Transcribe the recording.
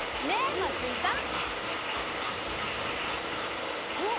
松井さん？